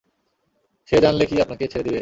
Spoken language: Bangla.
সে জানলে কি আপনাকে ছেড়ে দিবে?